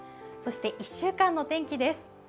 そして１週間の天気です。